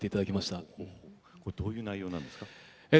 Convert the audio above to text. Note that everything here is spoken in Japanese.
これどういう内容なんですか？